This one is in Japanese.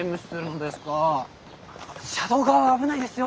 車道側は危ないですよ。